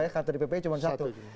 kantor dpp cuma satu